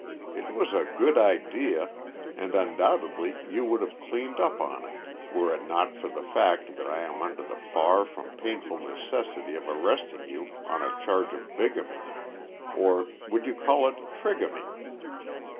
It was a good idea and undoubtedly you would have cleaned up on it were it not for the fact that I am under the far from painful necessity of arresting you on a charge of bigamy or would you call it 'trigamy'?